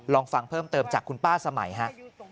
ลองฟังเพิ่มเติมจากคุณป้าสมัยฮะ